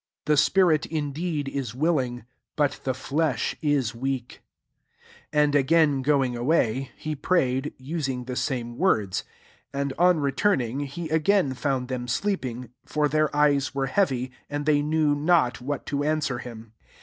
The spirit indeed is willing ; but the flesh M weak." 39 And again going away, he prayed, using the same words. 40 And on returning, he [again] found them sleeping ; for their eyes were heavy; and they knew not what to answer him.